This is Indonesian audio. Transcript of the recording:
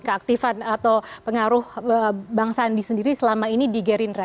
keaktifan atau pengaruh bang sandi sendiri selama ini di gerindra